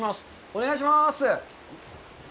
お願いします。